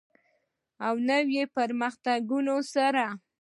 او د نویو پرمختګونو سره.